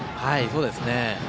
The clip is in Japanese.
そうですね。